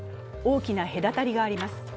大きな隔たりがあります。